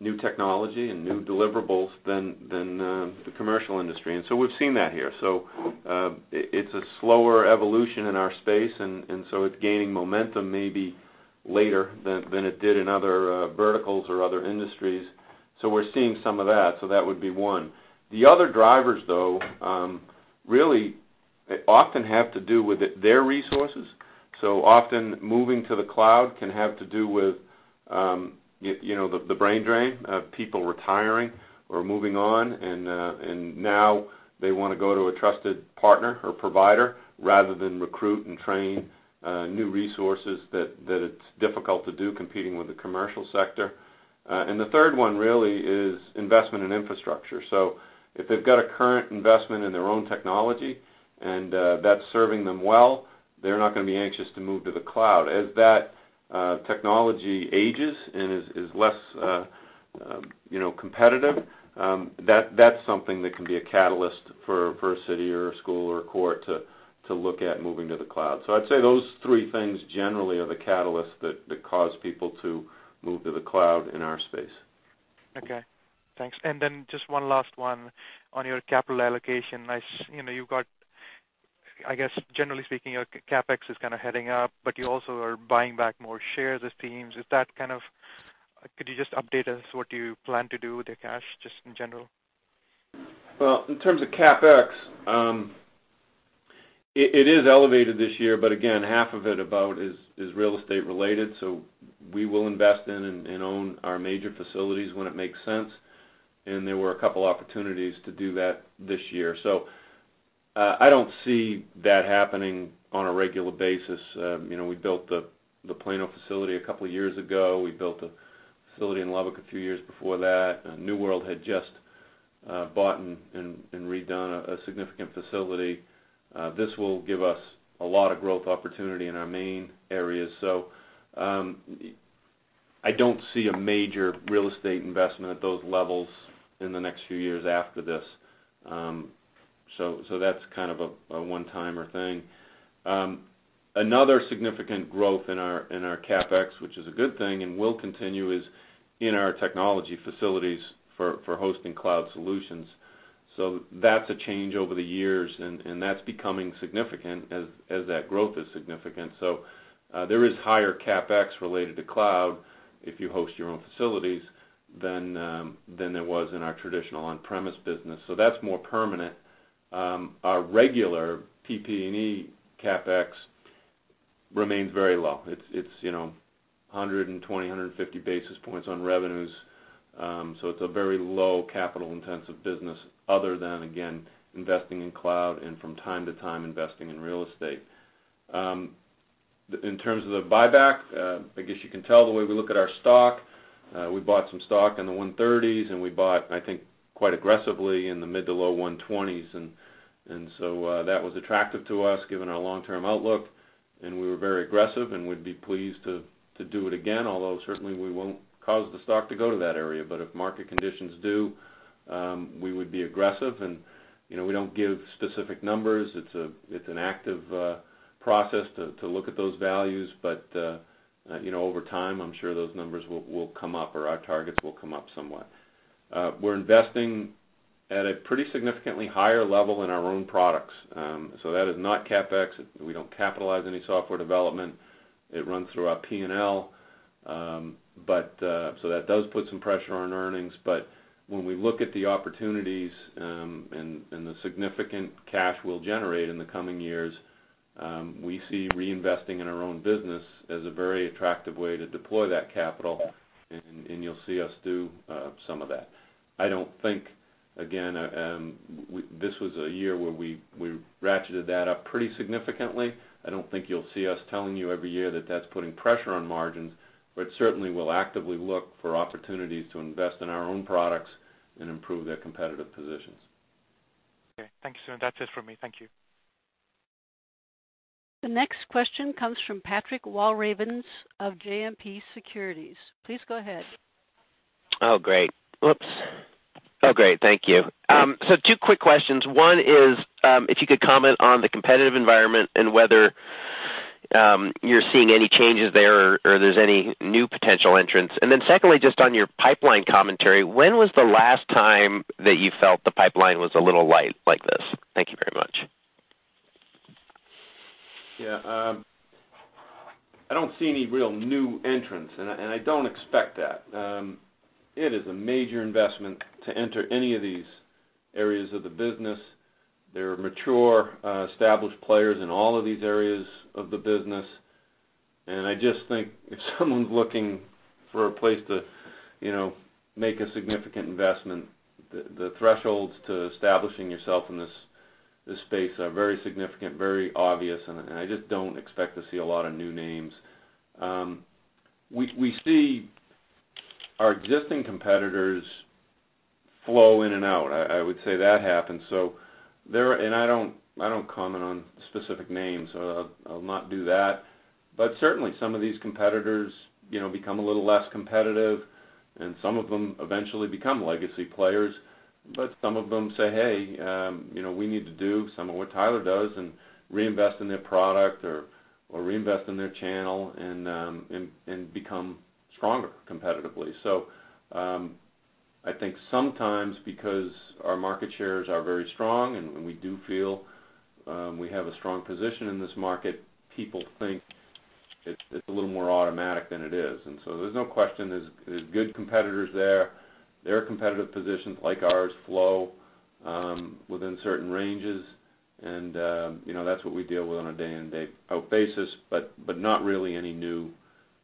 new technology and new deliverables than the commercial industry. We've seen that here. It's a slower evolution in our space, it's gaining momentum maybe later than it did in other verticals or other industries. We're seeing some of that. That would be one. The other drivers, though, really often have to do with their resources. Often moving to the cloud can have to do with the brain drain of people retiring or moving on. Now they want to go to a trusted partner or provider rather than recruit and train new resources that it's difficult to do competing with the commercial sector. The third one really is investment in infrastructure. If they've got a current investment in their own technology and that's serving them well, they're not going to be anxious to move to the cloud. As that technology ages and is less competitive, that's something that can be a catalyst for a city or a school or a court to look at moving to the cloud. I'd say those three things generally are the catalyst that cause people to move to the cloud in our space. Okay, thanks. Just one last one. On your capital allocation, I guess generally speaking, your CapEx is kind of heading up, but you also are buying back more shares it seems. Could you just update us what you plan to do with the cash just in general? Well, in terms of CapEx, it is elevated this year, but again, half of it about is real estate related. We will invest in and own our major facilities when it makes sense. There were a couple opportunities to do that this year. I don't see that happening on a regular basis. We built the Plano facility a couple of years ago. We built a facility in Lubbock a few years before that. New World had just bought and redone a significant facility. This will give us a lot of growth opportunity in our main areas. I don't see a major real estate investment at those levels in the next few years after this. That's kind of a one-timer thing. Another significant growth in our CapEx, which is a good thing and will continue is, in our technology facilities for hosting cloud solutions. That's a change over the years, and that's becoming significant as that growth is significant. There is higher CapEx related to cloud if you host your own facilities than there was in our traditional on-premise business. That's more permanent. Our regular PP&E CapEx remains very low. It's 120, 150 basis points on revenues. It's a very low capital-intensive business other than, again, investing in cloud and from time to time, investing in real estate. In terms of the buyback, I guess you can tell the way we look at our stock. We bought some stock in the 130s, and we bought, I think, quite aggressively in the mid to low 120s. That was attractive to us given our long-term outlook, and we were very aggressive, and we'd be pleased to do it again. Although certainly we won't cause the stock to go to that area. If market conditions do, we would be aggressive. We don't give specific numbers. It's an active process to look at those values. Over time, I'm sure those numbers will come up, or our targets will come up somewhat. We're investing at a pretty significantly higher level in our own products. That is not CapEx. We don't capitalize any software development. It runs through our P&L. That does put some pressure on earnings. When we look at the opportunities, and the significant cash we'll generate in the coming years, we see reinvesting in our own business as a very attractive way to deploy that capital, and you'll see us do some of that. I don't think, again, this was a year where we ratcheted that up pretty significantly. I don't think you'll see us telling you every year that that's putting pressure on margins, but certainly we'll actively look for opportunities to invest in our own products and improve their competitive positions. Okay. Thanks, Tim. That's it from me. Thank you. The next question comes from Patrick Walravens of JMP Securities. Please go ahead. Oh, great. Oops. Oh, great. Thank you. Two quick questions. One is, if you could comment on the competitive environment and whether you're seeing any changes there or there's any new potential entrants. Secondly, just on your pipeline commentary, when was the last time that you felt the pipeline was a little light like this? Thank you very much. Yeah. I don't see any real new entrants, and I don't expect that. It is a major investment to enter any of these areas of the business. There are mature, established players in all of these areas of the business. I just think if someone's looking for a place to make a significant investment, the thresholds to establishing yourself in this space are very significant, very obvious, and I just don't expect to see a lot of new names. We see our existing competitors flow in and out. I would say that happens. I don't comment on specific names, I'll not do that. Certainly, some of these competitors become a little less competitive, and some of them eventually become legacy players. Some of them say, "Hey, we need to do some of what Tyler does," and reinvest in their product or reinvest in their channel and become stronger competitively. I think sometimes because our market shares are very strong, and we do feel we have a strong position in this market, people think it's a little more automatic than it is. There's no question, there's good competitors there. Their competitive positions, like ours, flow within certain ranges. That's what we deal with on a day-in, day-out basis, but not really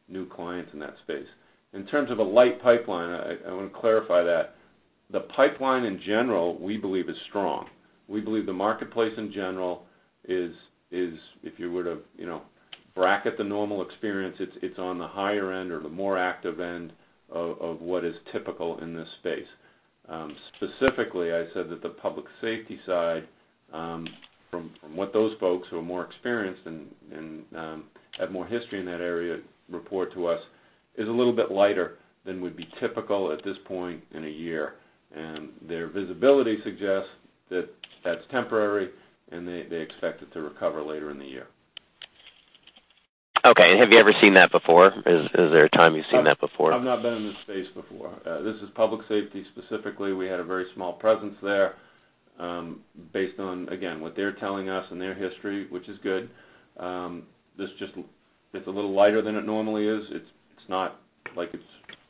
any new clients in that space. In terms of a light pipeline, I want to clarify that. The pipeline, in general, we believe is strong. We believe the marketplace in general is, if you were to bracket the normal experience, it's on the higher end or the more active end of what is typical in this space. Specifically, I said that the public safety side, from what those folks who are more experienced and have more history in that area report to us, is a little bit lighter than would be typical at this point in a year. Their visibility suggests that that's temporary, and they expect it to recover later in the year. Have you ever seen that before? Is there a time you've seen that before? I've not been in this space before. This is public safety, specifically. We had a very small presence there. Based on, again, what they're telling us and their history, which is good, this, it's a little lighter than it normally is. It's not like it's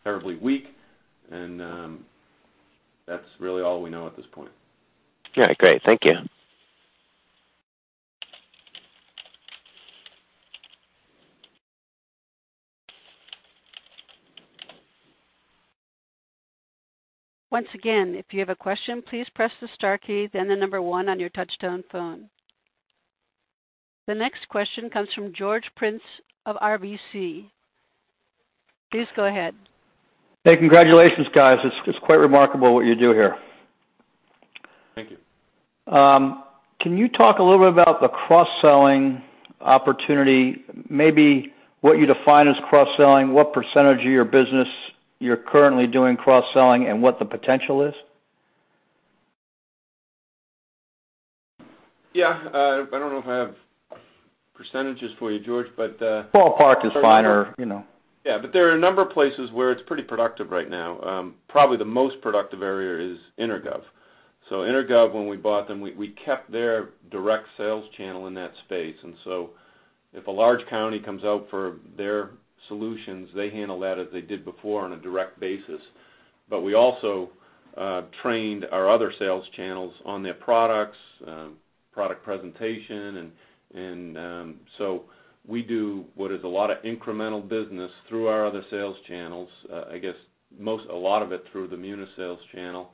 terribly weak. That's really all we know at this point. Yeah, great. Thank you. Once again, if you have a question, please press the star key, then the number one on your touch-tone phone. The next question comes from George Prince of RBC. Please go ahead. Hey, congratulations, guys. It's quite remarkable what you do here. Thank you. Can you talk a little bit about the cross-selling opportunity, maybe what you define as cross-selling, what percentage of your business you're currently doing cross-selling, and what the potential is? Yeah. I don't know if I have percentages for you, George. Ballpark is fine or, you know. Yeah. There are a number of places where it's pretty productive right now. Probably the most productive area is EnerGov. EnerGov, when we bought them, we kept their direct sales channel in that space. If a large county comes out for their solutions, they handle that as they did before on a direct basis. We also trained our other sales channels on their products, product presentation, we do what is a lot of incremental business through our other sales channels, I guess a lot of it through the Munis sales channel.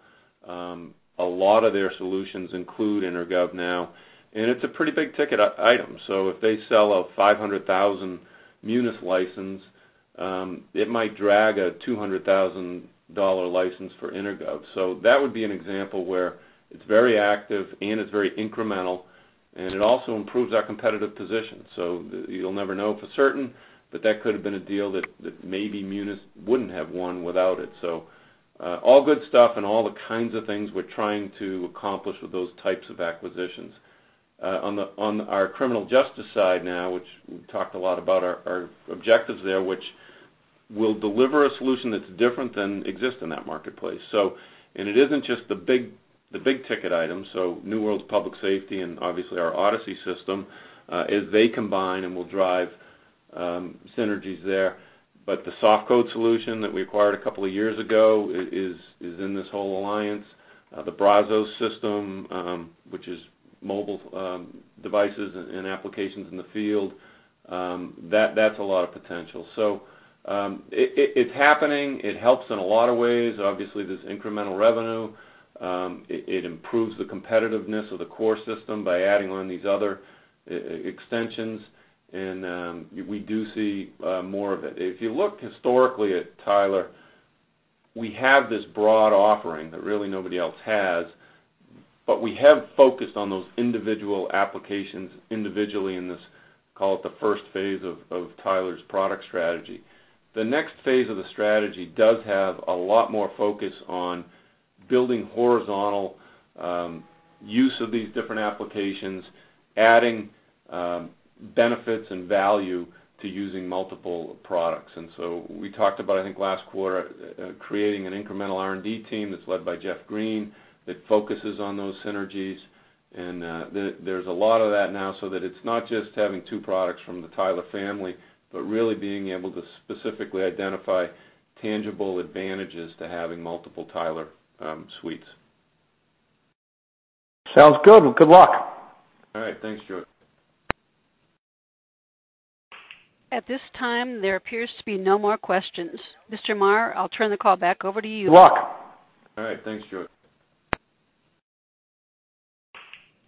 A lot of their solutions include EnerGov now, it's a pretty big-ticket item. If they sell a $500,000 Munis license, it might drag a $200,000 license for EnerGov. That would be an example where it's very active, it's very incremental, it also improves our competitive position. You'll never know for certain, that could have been a deal that maybe Munis wouldn't have won without it. All good stuff, all the kinds of things we're trying to accomplish with those types of acquisitions. On our criminal justice side now, which we talked a lot about our objectives there, which we'll deliver a solution that's different than exists in that marketplace. It isn't just the big-ticket items. New World Public Safety and obviously our Odyssey system, is they combine and will drive synergies there. The SoftCode solution that we acquired a couple of years ago is in this whole Tyler Alliance. The Brazos system, which is mobile devices and applications in the field, that's a lot of potential. It's happening. It helps in a lot of ways. Obviously, there's incremental revenue. It improves the competitiveness of the core system by adding on these other extensions, we do see more of it. If you look historically at Tyler, we have this broad offering that really nobody else has, we have focused on those individual applications individually in this, call it the first phase of Tyler's product strategy. The next phase of the strategy does have a lot more focus on building horizontal use of these different applications, adding benefits and value to using multiple products. We talked about, I think, last quarter, creating an incremental R&D team that's led by Jeff Green that focuses on those synergies. There's a lot of that now, it's not just having two products from the Tyler family, really being able to specifically identify tangible advantages to having multiple Tyler suites. Sounds good. Well, good luck. All right. Thanks, George. At this time, there appears to be no more questions. Mr. Marr, I'll turn the call back over to you. Good luck. All right. Thanks, George.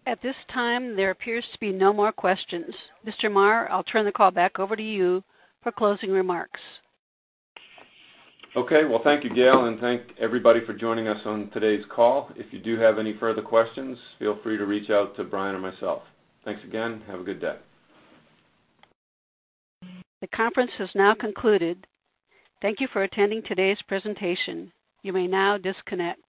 At this time, there appears to be no more questions. Mr. Marr, I'll turn the call back over to you for closing remarks. Okay. Well, thank you, Gail, thank everybody for joining us on today's call. If you do have any further questions, feel free to reach out to Brian or myself. Thanks again. Have a good day. The conference has now concluded. Thank you for attending today's presentation. You may now disconnect.